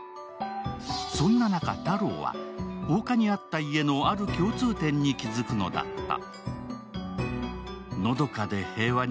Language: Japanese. そんな中、太郎は、放火に遭った家のある共通点に気づくのだった。